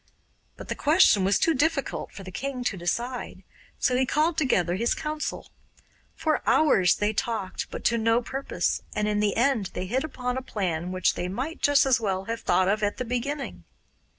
But the question was too difficult for the king to decide, so he called together his council. For hours they talked, but to no purpose, and in the end they hit upon a plan which they might just as well have thought of at the beginning.